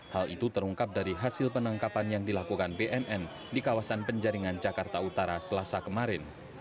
hal itu terungkap dari hasil penangkapan yang dilakukan bnn di kawasan penjaringan jakarta utara selasa kemarin